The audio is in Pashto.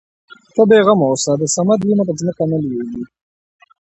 ته بې غمه اوسه د صمد وينه په ځمکه نه لوېږي.